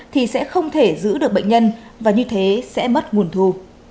thì sẽ không thể giữ được bệnh nhân và như thế sẽ mất nguồn thu